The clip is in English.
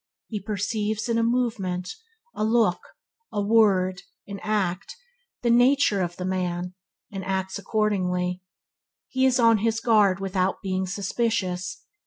He perceives in a movement, a look, a word, an act, the nature of the man, and acts accordingly. He is on his guard without being suspicious.